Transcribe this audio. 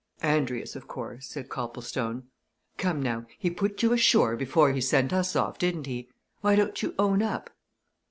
"Andrius, of course," said Copplestone. "Come now, he put you ashore before he sent us off, didn't he? Why don't you own up?"